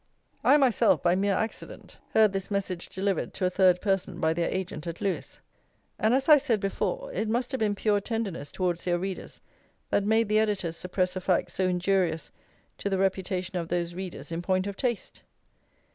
I myself, by mere accident, heard this message delivered to a third person by their agent at Lewes. And, as I said before, it must have been pure tenderness towards their readers that made the editors suppress a fact so injurious to the reputation of those readers in point of taste!